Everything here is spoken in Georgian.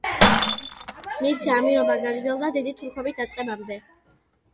მისი ამირობა გაგრძელდა დიდი თურქობის დაწყებამდე.